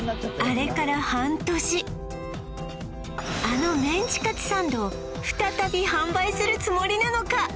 あのメンチカツサンドを再び販売するつもりなのか？